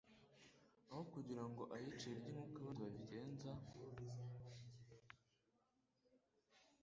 aho kugira ngo ayice ayirye nk'uko abandi babigenza